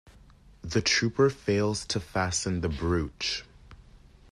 The trooper fails to fasten the brooch.